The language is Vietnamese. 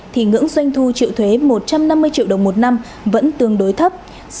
thì ngưỡng doanh thu triệu thuế một trăm năm mươi triệu đồng một năm vẫn tương đối thấp